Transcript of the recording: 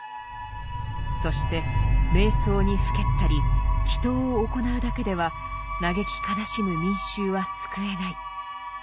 そして瞑想にふけったり祈祷を行うだけでは嘆き悲しむ民衆は救えない。